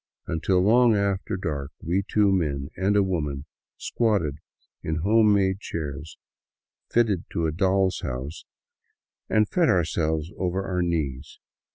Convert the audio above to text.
Until long after dark we two men and a woman squatted in home made chairs fitting to a doll's house, and fed ourselves over our knees.